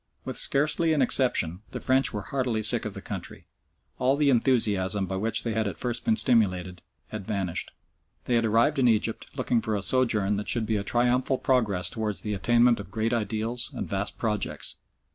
With scarcely an exception, the French were heartily sick of the country. All the enthusiasm by which they had at first been stimulated had vanished. They had arrived in Egypt, looking for a sojourn that should be a triumphal progress towards the attainment of great ideals and vast projects.